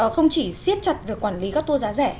không chỉ siết chặt việc quản lý các tour giá rẻ